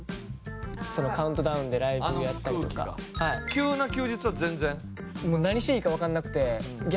急な休日は全然？